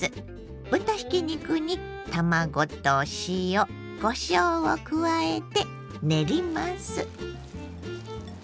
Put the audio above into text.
豚ひき肉に卵と塩こしょうを加えて練ります。